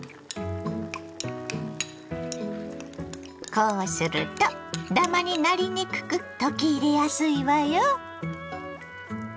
こうするとだまになりにくく溶き入れやすいわよ。